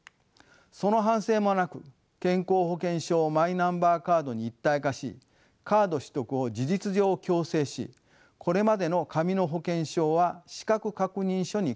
その反省もなく健康保険証をマイナンバーカードに一体化しカード取得を事実上強制しこれまでの紙の保険証は「資格確認書」に変えるというのです。